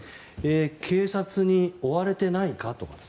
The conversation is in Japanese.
警察に追われてないか？と。